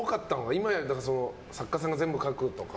今は作家さんが全部書くとか。